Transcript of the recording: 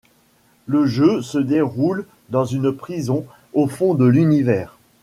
Le jeu se déroule dans une prison au fond de l'univers.